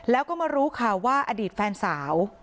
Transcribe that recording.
แล้วก็มารู้ข่าวว่าอดีตแฟนสาว